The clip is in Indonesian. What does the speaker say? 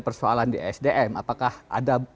persoalan di sdm apakah ada